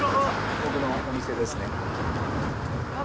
僕のお店ですね。